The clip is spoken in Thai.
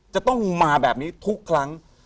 จะต้องมาแบบนี้ทุกครั้ง